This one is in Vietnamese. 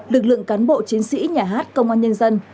lực lượng cán bộ chiến sĩ nhà hát công an nhân dân